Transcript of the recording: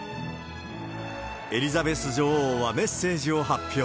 エリザベス女王はメッセージを発表。